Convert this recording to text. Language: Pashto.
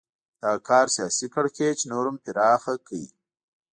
دغه کار سیاسي کړکېچ نور هم پراخ کړ.